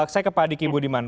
saya ke pak diki budiman